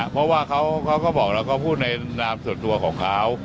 เพราะว่าเขาก็บอกแล้วเขาพูดในนามส่วนตัวของเขา